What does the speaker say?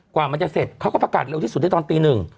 กว่ามันจะเสร็จเขาก็ประกาศเร็วที่สุดได้ตอนตีหนึ่ง